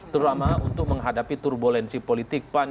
terutama untuk menghadapi turbulensi politik pan